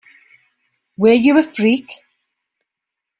Were you a freak?